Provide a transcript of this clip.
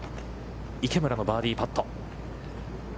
池村のバーディーパット。